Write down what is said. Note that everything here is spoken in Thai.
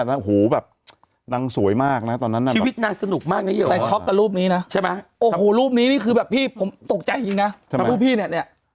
มึงดูไม่ออกเป็นผมเหรอดูไม่ออกแล้วว่าเป็นพี่เจ